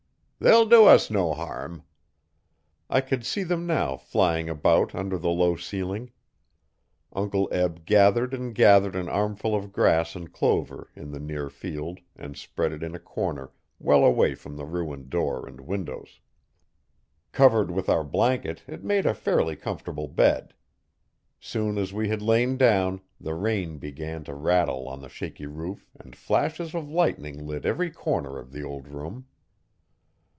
'They'll do us no harm.' I could see them now flying about under the low ceiling. Uncle Eb gathered an armful of grass and clover, in the near field, and spread it in a corner well away from the ruined door and windows. Covered with our blanket it made a fairly comfortable bed. Soon as we had lain down, the rain began to rattle on the shaky roof and flashes of lightning lit every corner of the old room.